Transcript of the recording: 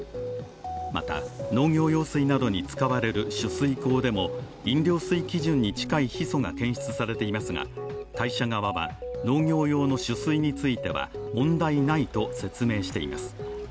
また、農業用水などに使われる取水口でも飲料水基準に近いヒ素が検出されていますが、会社側は農業用の取水については問題ないと説明しています。